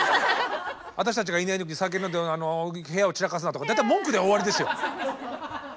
「私たちがいない時に酒飲んで部屋を散らかすな」とか大体文句で終わりですよ。